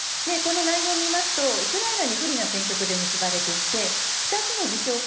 この内容を見ますとウクライナに不利な戦局で結ばれていて２つの自称